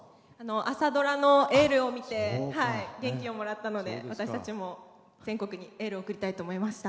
朝ドラの「エール」を見て元気をもらったので私たちも全国にエールを送りたいと思いました。